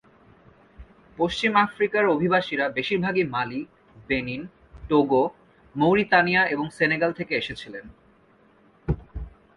পশ্চিম আফ্রিকার অভিবাসীরা বেশিরভাগই মালি, বেনিন, টোগো, মৌরিতানিয়া এবং সেনেগাল থেকে এসেছিলেন।